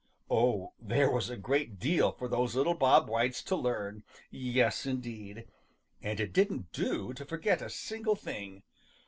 Oh, there was a great deal for those little Bob Whites to learn! Yes, indeed. And it didn't do to forget a single thing.